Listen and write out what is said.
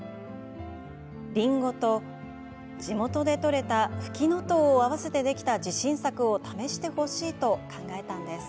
りんごと地元で取れた、ふきのとうを合わせてできた自信作を試してほしいと考えたんです。